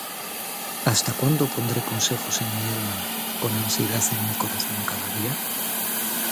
¿Hasta cuándo pondré consejos en mi alma, Con ansiedad en mi corazón cada día?